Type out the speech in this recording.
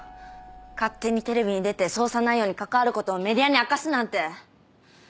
勝手にテレビに出て捜査内容に関わることをメディアに明かすなんて。